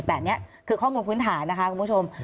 แต่อันนี้คือข้อมูลพื้นฐานนะคะคุณผู้ชม